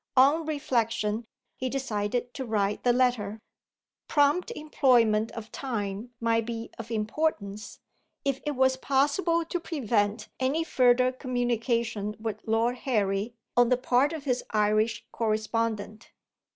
On reflection, he decided to write the letter. Prompt employment of time might be of importance, if it was possible to prevent any further communication with Lord Larry on the part of his Irish correspondent.